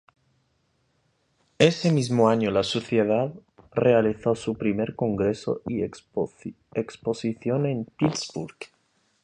Ese mismo año, la Sociedad realizó su primer Congreso y Exposición en Pittsburg.